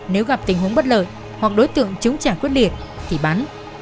nếu gặp tình huống bất lợi hoặc đối tượng chúng chả quyết liệt thì bắn